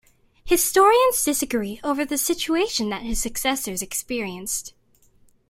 Historians disagree over the situation that his successors experienced.